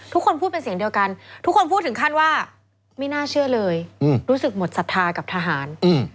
ทุกคนพูดเป็นเสียงเดียวกันทุกคนพูดถึงขั้นว่าไม่น่าเชื่อเลยรู้สึกหมดศรัทธากับทหาร